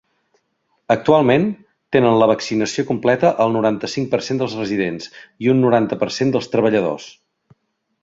Actualment, tenen la vaccinació completa el noranta-cinc per cent dels residents i un noranta per cent dels treballadors.